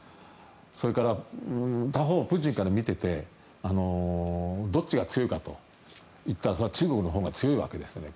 それから他方プーチンから見ていてどっちが強いかといったらそれは中国のほうが強いわけですね。